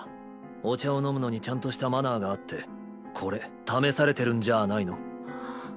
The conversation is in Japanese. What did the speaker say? お茶を飲むのにちゃんとした「マナー」があってこれ試されてるんじゃあないの？